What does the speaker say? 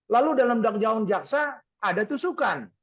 lalu dalam dakwaan jaksa ada tusukan